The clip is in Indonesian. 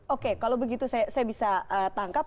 oke kalau begitu saya bisa tangkap